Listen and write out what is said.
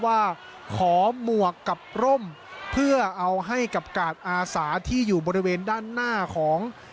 ว่าขอหมวกกับร่มเพื่อเอาให้กับกาดอาสาที่อยู่บริเวณด้านหน้าของ